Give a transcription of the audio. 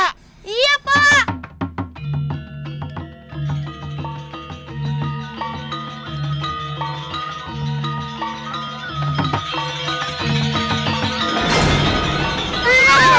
atul leak di situ kayak ganteng ganteng